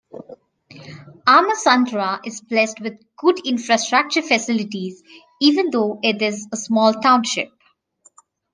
Ammasandra is blessed with good infrastructure facilities even though it is a small township.